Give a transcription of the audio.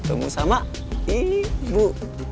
ketemu sama ibu